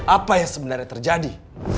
apa yang sebenarnya terjadi